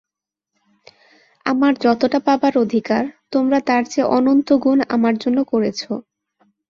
আমার যতটা পাবার অধিকার, তোমরা তার চেয়ে অনন্তগুণ আমার জন্য করেছ।